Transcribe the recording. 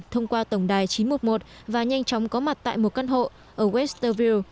thông qua tổng đài chín trăm một mươi một và nhanh chóng có mặt tại một căn hộ ở westerview